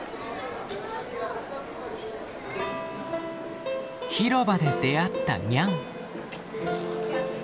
広場で出会ったニャン。